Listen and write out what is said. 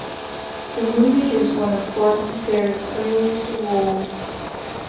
The movie is one of Bart the Bear's earliest roles.